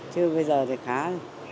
chứ bây giờ thì khá rồi